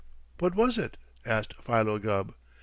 "What was it?" asked Philo Gubb.